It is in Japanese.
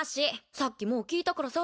さっきもう聞いたからさ。